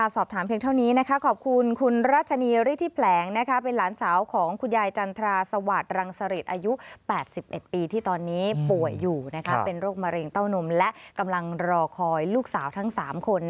เพียงเท่านี้นะคะขอบคุณคุณรัชนีฤทธิแผลงเป็นหลานสาวของคุณยายจันทราสวาสตรังสริตอายุ๘๑ปีที่ตอนนี้ป่วยอยู่เป็นโรคมะเร็งเต้านมและกำลังรอคอยลูกสาวทั้ง๓คน